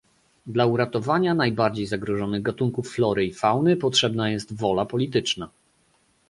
Dla uratowania najbardziej zagrożonych gatunków flory i fauny potrzebna jest wola polityczna